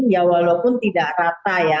ya walaupun tidak rata ya